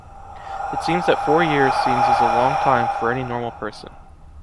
It seems that four years seems is a long time for any normal person.